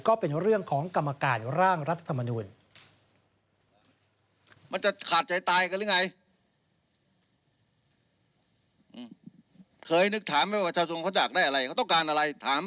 ก็เป็นเรื่องของกรรมการร่างรัฐธรรมนูล